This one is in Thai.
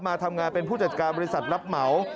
มาทำงานเป็นผู้จัดการบริษัทรับเหมา